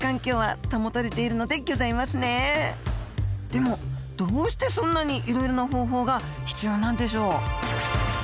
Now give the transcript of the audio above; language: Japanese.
でもどうしてそんなにいろいろな方法が必要なんでしょう？